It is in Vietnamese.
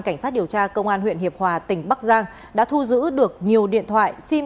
cảnh sát điều tra công an huyện hiệp hòa tỉnh bắc giang đã thu giữ được nhiều điện thoại sim